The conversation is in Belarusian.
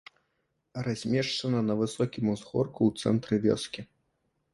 Размешчана на высокім узгорку ў цэнтры вёскі.